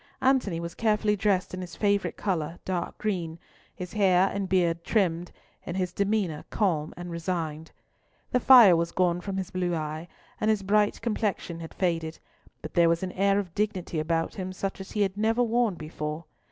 Antony was carefully dressed in his favourite colour, dark green, his hair and beard trimmed, and his demeanour calm and resigned. The fire was gone from his blue eye, and his bright complexion had faded, but there was an air of dignity about him such as he had never worn before.